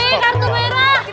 eh kartu merah